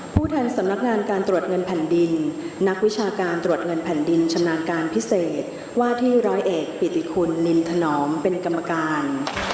ผู้แทนสำนักงานการตรวจเงินแผ่นดินนักวิชาการตรวจเงินแผ่นดินชำนาญการพิเศษว่าที่ร้อยเอกปิติคุณนินถนอมเป็นกรรมการ